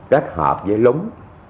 kết hợp với lúng